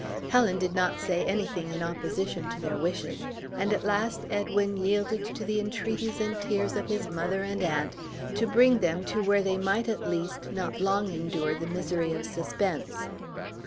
Helen did not say anything in opposition to their wishes; and at last Edwin yielded to the entreaties and tears of his mother and aunt, to bring them to where they might, at least, not long endure the misery of suspense.